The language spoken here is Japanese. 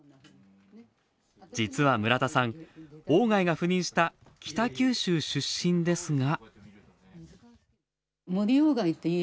実は村田さん、鴎外が赴任した北九州出身ですが。